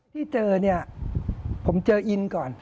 ที่เจอผมเจออินก่อน